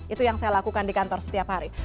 itu yang saya lakukan di kantor setiap hari